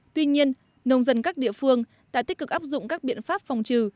tuy nhiên nông dân các địa phương đã tích cực áp dụng các biện pháp phòng trừ